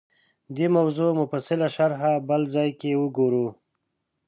دې موضوع مفصله شرحه بل ځای کې وګورو